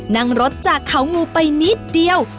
นั่งรถจากเขางูไปนิดเดียว